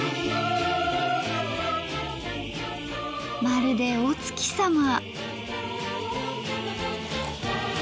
まるでお月さま！